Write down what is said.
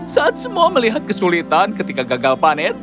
saat semua melihat kesulitan ketika gagal panen